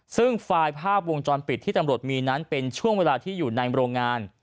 ซึ่งไฟล์ภาพวงจรปิดที่ตำรวจมีนั้นเป็นช่วงเวลาที่อยู่ในโรงงาน